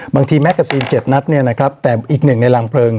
บางทีเมกค์คอร์ซีน๗นัดเนี่ยนะครับแต่อีกหนึ่งในรางเพลิง